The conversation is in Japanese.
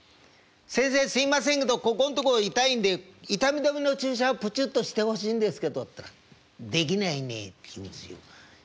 「先生すいませんけどここんとこ痛いんで痛み止めの注射をプチュッとしてほしいんですけど」って言ったら「できないねえ」って言うんですよ。